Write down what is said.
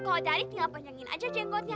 kalau tarik tinggal panjangin aja jenggotnya